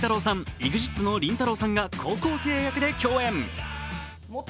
ＥＸＩＴのりんたろーさんが高校生役で共演。